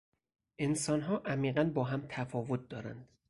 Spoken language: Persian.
انسانها عمیقا با هم تفاوت دارند.